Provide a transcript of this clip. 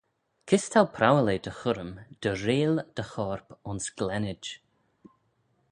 Kys t'ou prowal eh dty churrym dy reayll dty chorp ayns glennid?